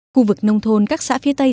khu vực nông thôn các xã phía tây